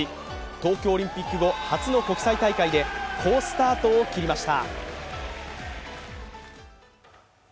東京オリンピック後、初の国際大会で好スタートを切りました。